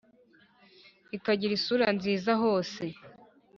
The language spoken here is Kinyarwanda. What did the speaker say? ikagira isura nziza hose.